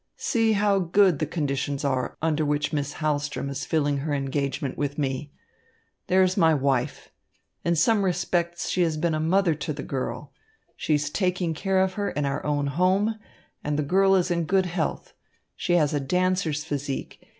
"See how good the conditions are under which Miss Hahlström is filling her engagement with me. There is my wife. In some respects she has been a mother to the girl. She is taking care of her in our own home, and the girl is in good health. She has a dancer's physique.